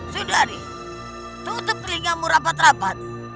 sundari tutup telingamu rapat rapat